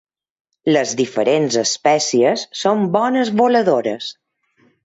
Les diferents espècies són bones voladores.